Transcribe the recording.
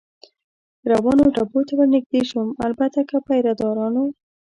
روانو ډبو ته ور نږدې شوم، البته که پیره دارانو.